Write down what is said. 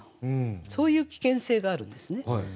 そういう危険性があるんですね。